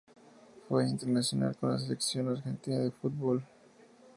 Fue internacional con la Selección Argentina de Fútbol.